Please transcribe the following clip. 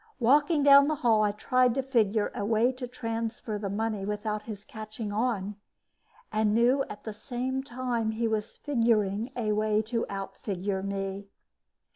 Walking down the hall, I tried to figure a way to transfer the money without his catching on and knew at the same time he was figuring a way to outfigure me.